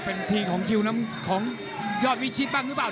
เป็นทีของคิวน้ำของยอดวิชิตบ้างหรือเปล่า